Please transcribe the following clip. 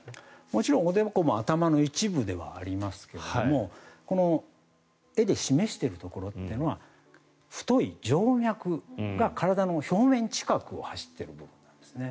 もちろん、おでこも頭の一部ではありますけれども絵で示しているところというのは太い静脈が体の表面近くを走ってるところなんですね。